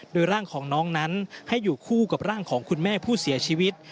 โดยร่างของน้องนั้นให้อยู่คู่กับร่างของคุณแม่ผู้เสียชีวิต